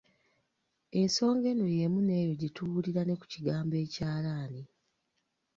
Ensonga eno y'emu n'eyo gye tuwulira ne ku kigambo ekyalaani.